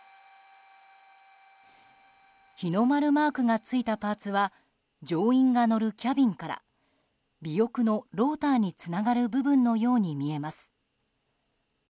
日の丸マークがついたパーツは乗員が乗るキャビンから尾翼のローターにつながる部分のように見えます。